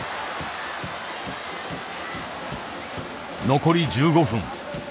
残り１５分。